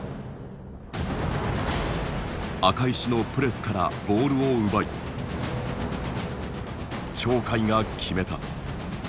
赤石のプレスからボールを奪い鳥海が決めた。